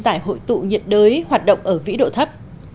giải hội tụ nhiệt đới hoạt động ở vĩ độ thấp